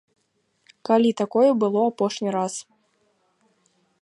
Калі такое было апошні раз?